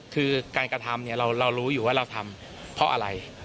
คือการกระทำเรารู้อยู่ว่าเราทำเพราะอะไร